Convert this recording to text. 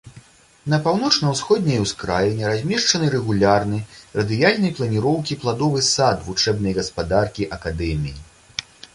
На паўночна-ўсходняй ускраіне размешчаны рэгулярны, радыяльнай планіроўкі пладовы сад вучэбнай гаспадаркі акадэміі.